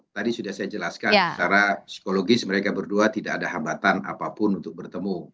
tadi sudah saya jelaskan secara psikologis mereka berdua tidak ada hambatan apapun untuk bertemu